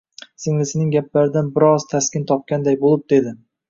Singlisining gaplaridan bir oz taskin topganday bo`lib, dedi